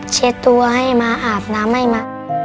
เช็ดตัวให้มาอาบน้ำให้มา